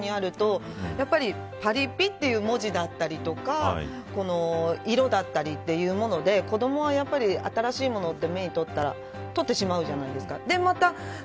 普通に子どもが手に取りやすい場所にあるとやっぱり、パリピという文字だったりとか色だったりというもので子どもは新しいものって目にあったら取ってしまうじゃないですか。